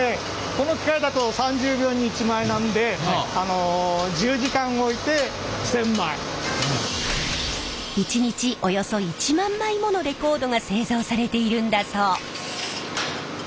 この機械だと３０秒に１枚なんで１日およそ１万枚ものレコードが製造されているんだそう。